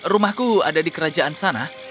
rumahku ada di kerajaan sana